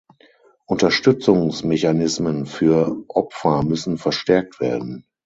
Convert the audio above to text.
Unterstützungsmechanismen für Opfer müssen verstärkt werden.